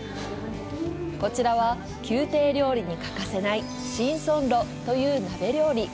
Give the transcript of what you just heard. こちらは、宮廷料理に欠かせない神仙炉という鍋料理。